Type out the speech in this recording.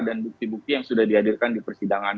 dan bukti bukti yang sudah dihadirkan di persidangan